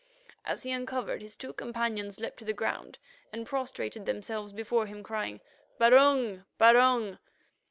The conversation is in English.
As he uncovered, his two companions leapt to the ground and prostrated themselves before him, crying, "Barung! Barung!"